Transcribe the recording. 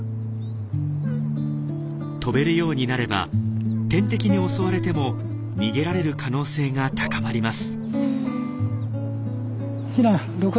飛べるようになれば天敵に襲われても逃げられる可能性が高まります。